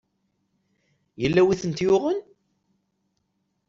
Yella wi tent-yuɣen?